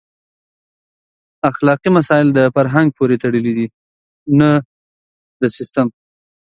اخلاقي مسایل د فرهنګ پورې تړلي دي نه د سیسټم.